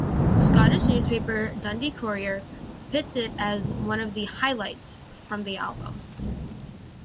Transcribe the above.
Scottish newspaper "Dundee Courier" picked it as one of the "highlights" from the album.